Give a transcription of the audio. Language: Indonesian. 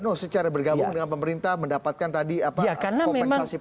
no secara bergabung dengan pemerintah mendapatkan tadi kompensasi politik